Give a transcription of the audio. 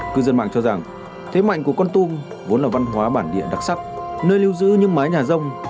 cư dân mạng cho rằng thế mạnh của con tum vốn là văn hóa bản địa đặc sắc nơi lưu giữ những mái nhà rông